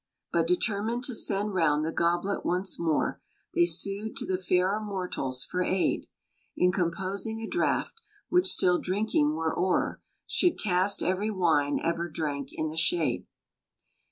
But determined to send round the goblet once more, They sued to the fairer mortals for aid In composing a draught, which till drinking were o'er, Should cast every wine ever drank in the shade.